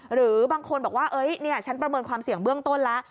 หรือบางคนบอกว่าฉันประเมินความเสี่ยงเบื้องต้นแล้ว